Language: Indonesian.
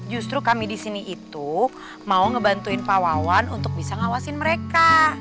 justru kami disini itu mau ngebantuin pak wawan untuk bisa ngawasin mereka